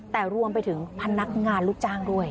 แต่รวมไปถึงพนักงานลูกจ้างด้วย